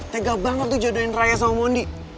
tega banget tuh jodohin raya sama mondi